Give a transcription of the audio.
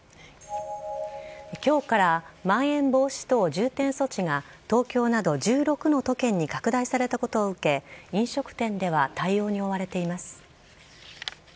今日からまん延防止等重点措置が東京など１６の都県に拡大されたことを受け飲食店では対応に追われています。